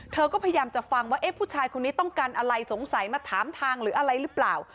เธอก็พยายามจะฟังว่าเอ๊ะผู้ชายคนนี้ต้องการอะไรสงสัยมาถามทางหรืออะไรหรือเปล่า